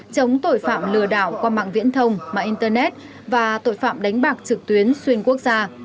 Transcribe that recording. chống tội phạm lừa đảo qua mạng viễn thông mạng internet và tội phạm đánh bạc trực tuyến xuyên quốc gia